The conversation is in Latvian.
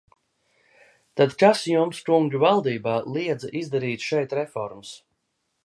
Tad kas jums, kungi valdībā, liedza izdarīt šeit reformas?